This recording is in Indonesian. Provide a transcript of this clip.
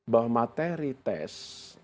bahwa materi tes